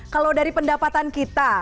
kalau dari pendapatan kita